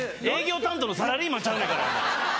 営業担当のサラリーマンちゃうんやから！